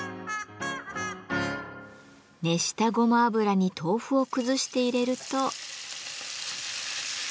熱したごま油に豆腐を崩して入れると。